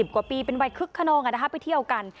กว่าปีเป็นวัยคึกขนองไปเที่ยวกัน